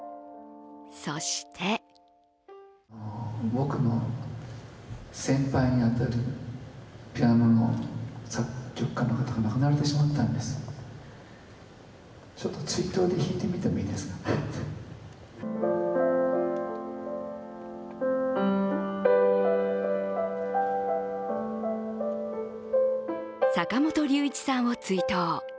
そして坂本龍一さんを追悼。